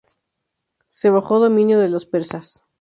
C bajo dominio de los persas.